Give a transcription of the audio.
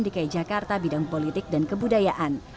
dki jakarta bidang politik dan kebudayaan